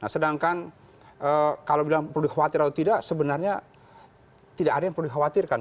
sedangkan kalau bilang perlu dikhawatir atau tidak sebenarnya tidak ada yang perlu dikhawatirkan